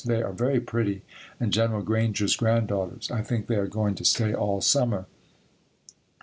They are very pretty and General Granger's granddaughters. I think they are going to stay all summer.